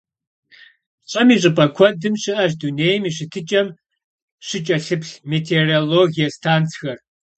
ЩӀым и щӀыпӀэ куэдым щыӀэщ дунейм и щытыкӀэм щыкӀэлъыплъ метеорологие станцхэр.